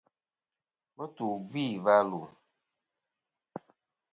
Mùtɨ wù gvi wà lu.